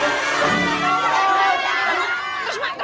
terus mak terus mak